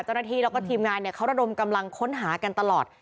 เจ้าหน้าที่แล้วก็ทีมงานเขาระดมกำลังค้นหากันตลอด